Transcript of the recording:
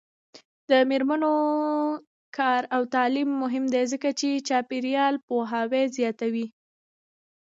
د میرمنو کار او تعلیم مهم دی ځکه چې چاپیریال پوهاوی زیاتوي.